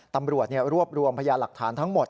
ตำรวจรวบรวมพยาหลักฐานทั้งหมด